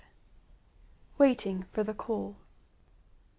WAITING FOR THE CALL.